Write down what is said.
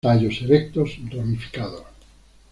Tallos erectos, ramificados.